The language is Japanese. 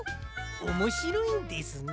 おもしろいんですね？